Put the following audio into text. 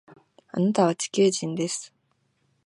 あなたは地球人です